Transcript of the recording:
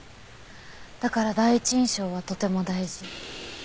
だから第一印象はとても大事。